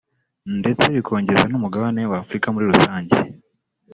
ndetse bikongeze n’umugabane wa Afurika muri rusange